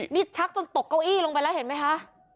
นี่ชักจนตกเก้าอี้ลงไปแล้วเห็นไหมคะ